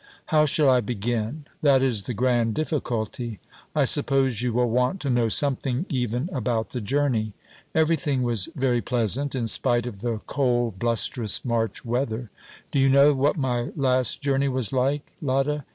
How shall I begin? That is the grand difficulty! I suppose you will want to know something even about the journey. Everything was very pleasant, in spite of the cold blusterous March weather. Do you know what my last journey was like, Lotta?